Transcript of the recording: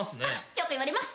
よく言われます。